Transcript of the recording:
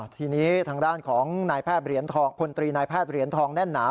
ทีนี้ทางด้านของคนตรีนายแพทย์เหรียญทองแน่นหนา